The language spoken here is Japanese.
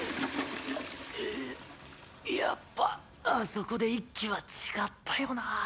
うっやっぱあそこで一気は違ったよな。